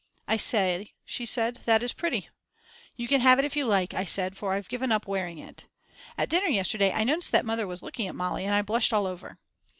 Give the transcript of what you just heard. "I say, she said, that is pretty!" You can have it if you like, I said, for I've given up wearing it. At dinner yesterday I noticed that Mother was looking at Mali and I blushed all over.